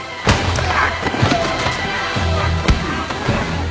うわ。